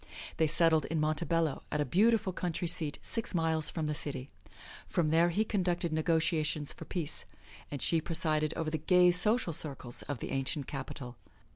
They settled in Montebello, at a beautiful country seat, six miles from the city. From there he conducted negotiations for peace and she presided over the gay social circles of the ancient capital.